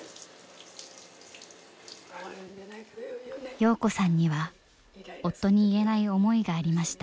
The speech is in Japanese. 洋子さんには夫に言えない思いがありました。